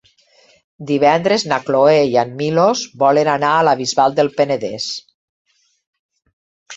Divendres na Cloè i en Milos volen anar a la Bisbal del Penedès.